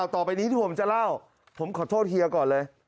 ต่อไปนี้ที่ผมจะเล่าผมขอโทษเฮียก่อนเลย